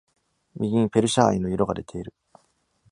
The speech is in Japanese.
右にペルシャ藍の色が出ている。